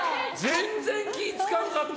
全然、気ぃつかんかった！